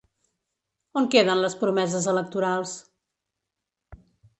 On queden les promeses electorals?